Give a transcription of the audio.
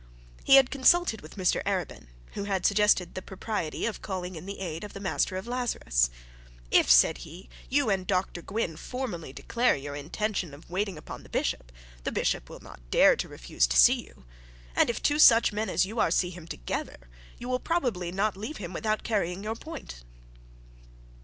He had consulted with Mr Arabin, who had suggested the propriety of calling in the aid of the master of Lazarus. 'If,' said he, 'you and Dr Gwynne formally declare your intention of waiting upon the bishop, the bishop will not dare to refuse to see you; and if two such men as you see him together, you will probably not leave him without carrying your point.'